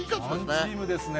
ワンチームですね。